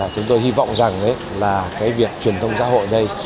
chúng tôi hy vọng rằng việc truyền thông xã hội này